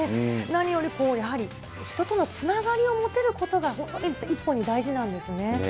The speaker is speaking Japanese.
何よりやはり人とのつながりを持てることが、一歩に大事なんです